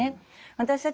私たち